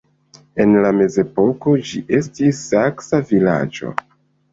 En la mezepoko ĝi estis saksa vilaĝo.